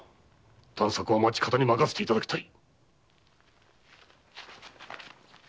探索は町方に任せていただきたい。